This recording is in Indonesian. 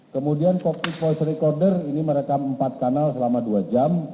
kemudian cockpit voice recorder ini merekam empat kanal selama dua jam